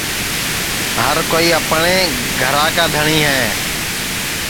ہر کوئی اپٹؔے گھرا کا دھٹؔی ہے